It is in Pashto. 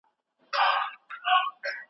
بله کومه مهمه مسئله په دې بحث کې شتون لري؟